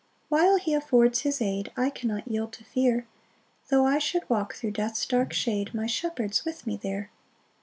4 While he affords his aid, I cannot yield to fear; Tho' I should walk thro' death's dark shade My Shepherd's with me there.